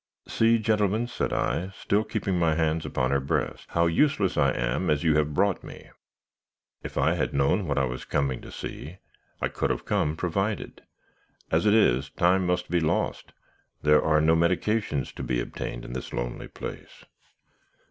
"'See, gentlemen,' said I, still keeping my hands upon her breast, 'how useless I am, as you have brought me! If I had known what I was coming to see, I could have come provided. As it is, time must be lost. There are no medicines to be obtained in this lonely place.'